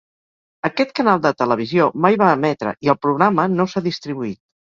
Aquest canal de televisió mai va emetre i el programa no s'ha distribuït.